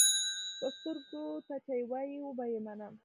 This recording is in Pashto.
پۀ سترګو، تۀ چې وایې وبۀ یې منم.